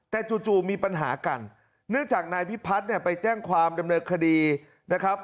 แต่จู่มีปัญหากันเนื่องจากนายพิพัฒน์เนี่ยไปแจ้งความดำเนินคดีนะครับ